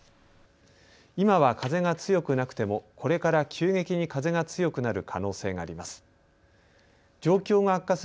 今は風が強くなくてもこれから急激に風が強くなる可能性があります。